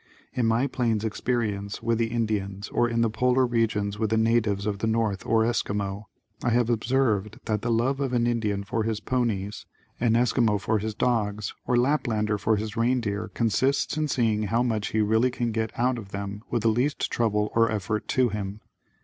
In my plains experience with the Indians or in the Polar Regions with the natives of the north or Esquimaux, I have observed that the love of an Indian for his ponies, an Esquimaux for his dogs or Laplander for his reindeer consists in seeing how much he really can get out of them with the least trouble or effort to him.